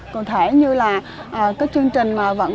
cụ thể như là các chương trình mà vẫn